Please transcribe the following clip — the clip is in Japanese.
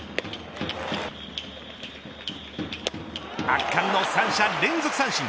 圧巻の三者連続三振。